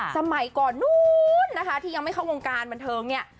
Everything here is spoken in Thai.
สมัยก่อนนู้นนะคะที่ยังไม่เข้าวงการบันเทิงเนี่ย